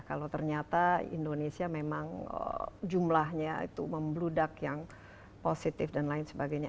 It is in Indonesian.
kalau ternyata indonesia memang jumlahnya itu membludak yang positif dan lain sebagainya